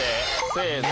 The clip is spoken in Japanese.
せの。